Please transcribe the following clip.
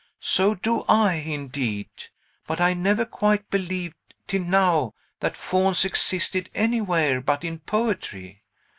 So do I, indeed! But I never quite believed, till now, that fauns existed anywhere but in poetry."